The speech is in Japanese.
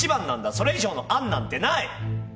それ以上の案なんてない。